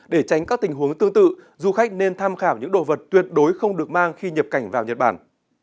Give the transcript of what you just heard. để tránh các tình huống tương tự du khách nên tham khảo những đồ vật tuyệt đối không được mang khi nhập cảnh vào nhật bản